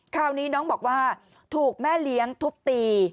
คราวนี้น้องบอกว่าถูกแม่เลี้ยงทุบตี